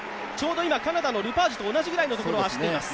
カナダのルパージュと同じぐらいのところを走っています。